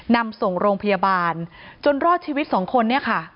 นำส่งโรงพยาบาลจนรอดชีวิตสองคนเนี่ยค่ะ